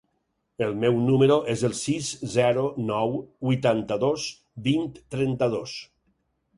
El meu número es el sis, zero, nou, vuitanta-dos, vint, trenta-dos.